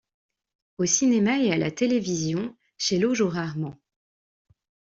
Au cinéma et à la télévision, Schellow joue rarement.